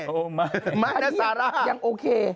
โอ้ไม่ไม่นะซาราทำงานตอนนั้นโอเค